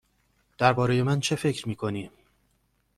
درباره من چه فکر می کنی؟